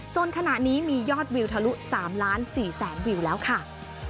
ขณะนี้มียอดวิวทะลุ๓ล้าน๔แสนวิวแล้วค่ะ